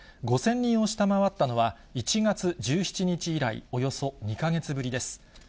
５０００人を下回ったのは、１月１７日以来、およそ２か月ぶりです。